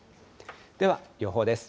では、予報です。